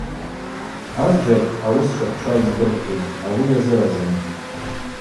Азджьакӏ – ауыс шакӏвшаз здырквуз – ауи йазыразын.